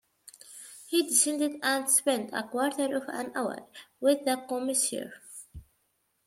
He descended and spent a quarter of an hour with the Commissaire.